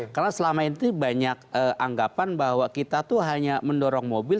karena selama itu banyak anggapan bahwa kita itu hanya mendorong mobil